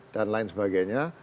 dan lain sebagainya